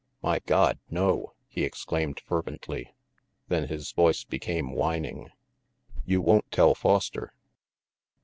"My God, no!" he exclaimed fervently; then his voice became whining, "You won't tell Foster?"